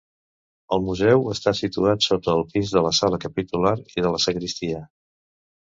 El museu està situat sota el pis de la sala capitular i de la sagristia.